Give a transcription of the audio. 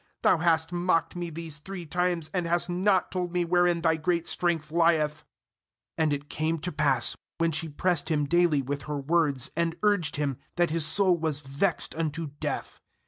thou hast mocked me these three times, and hast not told me wherein thy great strength lieth/ lsAnd it came to pass, when she pressed him daily with her words, and urged him., that his soul was vexed unto death.